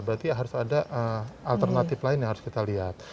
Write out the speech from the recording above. berarti harus ada alternatif lain yang harus kita lihat